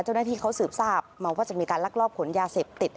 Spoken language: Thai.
เจ้าหน้าที่เขาสืบทราบมาว่าจะมีการลักลอบขนยาเสพติด